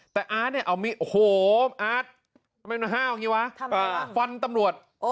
แต่อาร์ทโอ้โหอาร์ททำไมมัน๕นายว่า